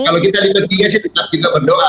kalau kita di peti ya sih tetap juga berdoa